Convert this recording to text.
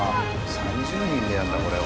３０人でやるんだこれを。